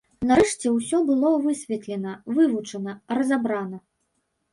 Нарэшце ўсё было высветлена, вывучана, разабрана.